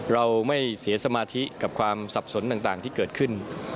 เราไม่เสียสมาธิกับความสับสนต่างที่เกิดขึ้น